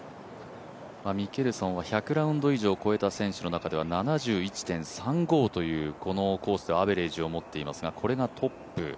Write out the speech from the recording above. ミケルソンは１００ラウンド以上超えた選手の中では７１．３５というこのコースではアベレージを持っていますからこれがトップ。